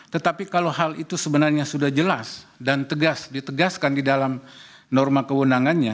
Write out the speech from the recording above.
tetapi kalau hal itu sebenarnya sudah jelas dan tegas ditegaskan di dalam norma kewenangannya